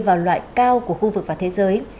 vào loại cao của khu vực và thế giới